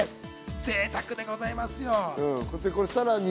ぜいたくでございますよ。